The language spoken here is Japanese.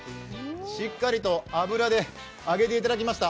しっかりと油で揚げていただきました。